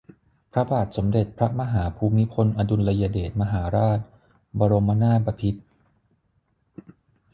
พระบาทสมเด็จพระมหาภูมิพลอดุลยเดชมหาราช บรมนาถบพิตร